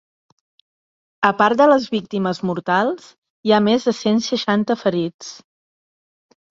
A part de les víctimes mortals, hi ha més de cent seixanta ferits.